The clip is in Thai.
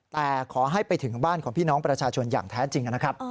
แต่ขอให้ไปถึงบ้านของพี่น้องประชาชนอย่างแท้จริงนะครับ